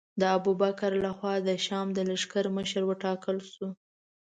د ابوبکر له خوا د شام د لښکر مشر وټاکل شو.